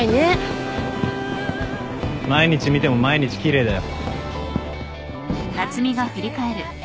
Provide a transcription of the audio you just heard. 毎日見ても毎日奇麗だよ。